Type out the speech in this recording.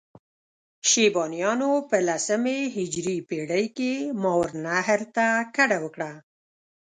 شیبانیانو په لسمې هجري پېړۍ کې ماورالنهر ته کډه وکړه.